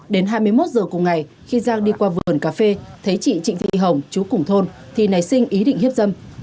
đến hai mươi một giờ cùng ngày khi giang đi qua vườn cà phê thấy chị trịnh thị hồng chú cùng thôn thì nảy sinh ý định hiếp dâm